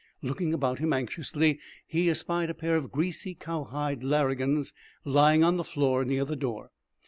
Looking about him anxiously, he espied a pair of greasy cowhide "larrigans" lying on the floor near the door.